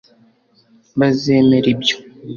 bazemera ibyo